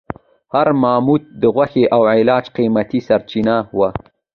هر ماموت د غوښې او عاج قیمتي سرچینه وه.